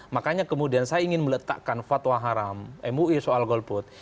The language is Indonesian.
makanya kemudian saya ingin meletakkan fatwa haram mui soal golput